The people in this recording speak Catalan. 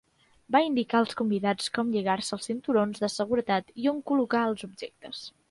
Va indicar als convidats com lligar-se els cinturons de seguretat i on col·locar els objectes.